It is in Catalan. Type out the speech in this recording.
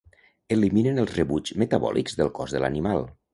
Eliminen els rebuigs metabòlics del cos de l'animal.